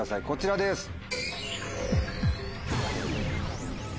こちらです。